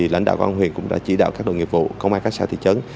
công an huyện cũng đã chỉ đạo các đội nghiệp vụ công an các xã thị trấn